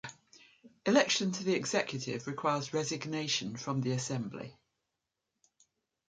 Election to the executive requires resignation from the Assembly.